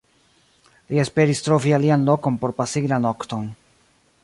Li esperis trovi alian lokon por pasigi la nokton.